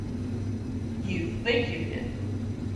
You think you did.